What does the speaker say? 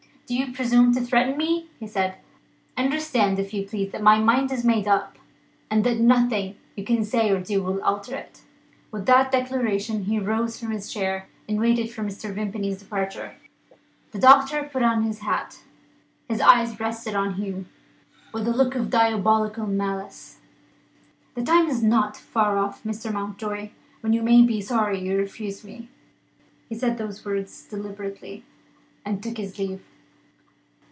"Do you presume to threaten me?" he said. "Understand, if you please, that my mind is made up, and that nothing you can say or do will alter it." With that declaration he rose from his chair, and waited for Mr. Vimpany's departure. The doctor put on his hat. His eyes rested on Hugh, with a look of diabolical malice: "The time is not far off, Mr. Mountjoy, when you may be sorry you refused me." He said those words deliberately and took his leave.